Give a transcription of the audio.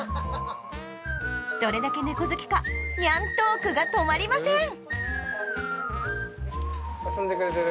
どれだけ猫好きかニャントークが止まりません遊んでくれてる。